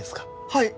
はい。